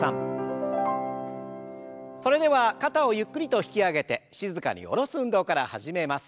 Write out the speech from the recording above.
それでは肩をゆっくりと引き上げて静かに下ろす運動から始めます。